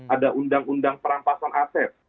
ada undang undang perampasan aset